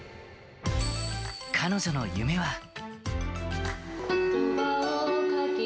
彼女の夢は。